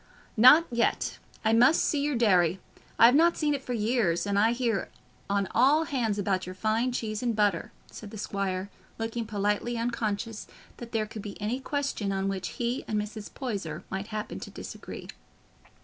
"Not yet; I must see your dairy. I have not seen it for years, and I hear on all hands about your fine cheese and butter," said the squire, looking politely unconscious that there could be any question on which he and Mrs. Poyser might happen to disagree.